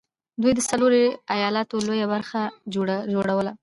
دوی د څلورو ايالتونو لويه برخه جوړوله